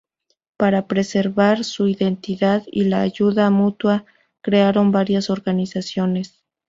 Para preservar su identidad y la ayuda mutua crearon varias organizaciones.